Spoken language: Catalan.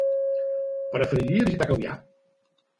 Preferiria visitar Calvià.